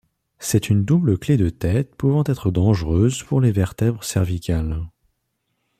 C'est une double clef de tête pouvant être dangereuse pour les vertèbres cervicales.